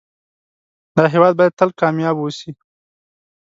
دا هيواد بايد تل کامیاب اوسی